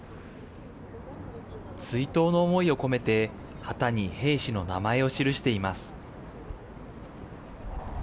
追悼の思いを込めて旗に兵士の名前を記しています。